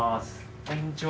こんにちは。